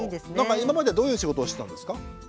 今までどういう仕事をしてたんですか？